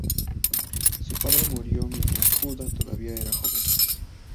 Su padre murió mientras Judá todavía era joven.